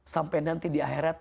sampai nanti di akhirat